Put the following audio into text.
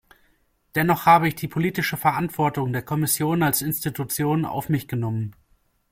Dennoch habe ich die politische Verantwortung der Kommission als Institution auf mich genommen.